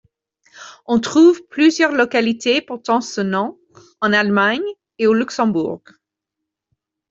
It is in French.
On trouve plusieurs localités portant ce nom, en Allemagne et au Luxembourg.